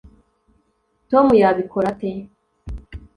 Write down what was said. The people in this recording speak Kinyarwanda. Tom yabikora ate